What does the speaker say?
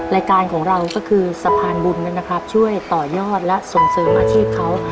รายการของเราก็คือสะพานบุญนะครับช่วยต่อยอดและส่งเสริมอาชีพเขา